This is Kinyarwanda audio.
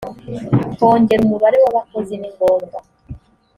kongera umubare w’abakozi ni ngombwa